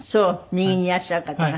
右にいらっしゃる方が。